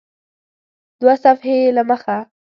دوه صفحې یې له مخه